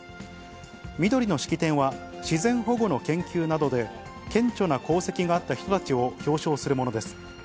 みどりの式典は、自然保護の研究などで顕著な功績があった人たちを表彰するものです。